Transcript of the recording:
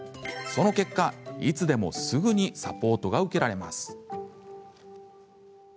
その結果、いつでもすぐにサポートが受けられます。